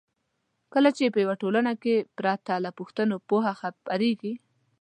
کله چې په یوه ټولنه کې پرته له پوښتنو پوهه خپریږي.